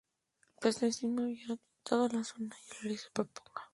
El protestantismo se había asentado en la zona y realizaba propaganda anticatólica.